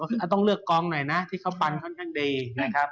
คือต้องเลือกกองหน่อยนะที่เขาปันค่อนข้างดีนะครับ